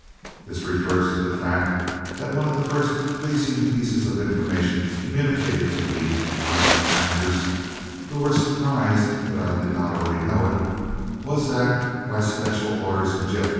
[This refers to the fact that one of the first pleasing pieces of information communicated to me by my captors, who were surprised that I did not already know it, was that, by special orders of Jeff.